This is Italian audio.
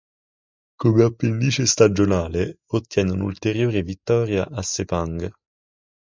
Come appendice stagionale, ottiene un'ulteriore vittoria a Sepang.